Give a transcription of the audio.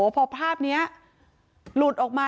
พอภาพนี้หลุดออกมา